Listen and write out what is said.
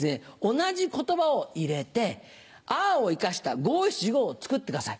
同じ言葉を入れて「ああ」を生かした五・七・五を作ってください。